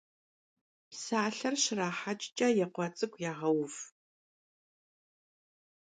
Psalher şraheç'ç'e yêkhua ts'ık'u yağeuv.